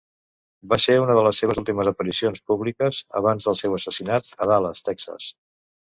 Va ser una de les seves últimes aparicions públiques abans del seu assassinat a Dallas, Texas.